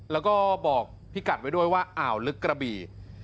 แล้วก็บอกพี่กัดไว้ด้วยว่าอ่าวลึกกระบี่